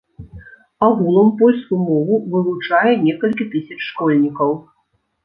Агулам польскую мову вывучае некалькі тысяч школьнікаў.